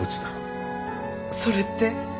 それって。